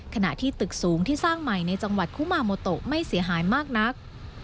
ขณะที่ตึกสูงที่สร้างใหม่ในจังหวัดคุมาโมโตไม่เสียหายมากนัก